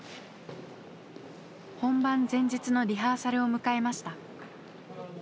本番前日のリハーサルを迎えました。